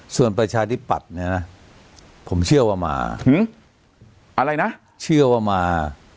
ส่วนประชาธิปัตย์เนี่ยนะผมเชื่อว่ามาอะไรนะเชื่อว่ามา